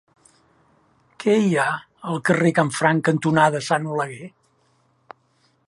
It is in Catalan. Què hi ha al carrer Canfranc cantonada Sant Oleguer?